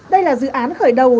đây là dự án khởi đầu